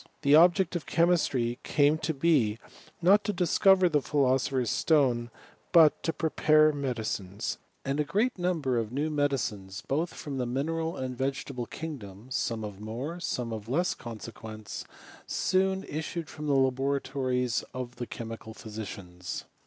The object of chemistry came to be, not to discover the philosopher's stone, but to prepare medicines ; and a great number of new m^ dicines, both from the mineral and vegetable king^ dom — some of more, some of less, consequenc^, soon issued from the laboratories of the chemiod' physicians.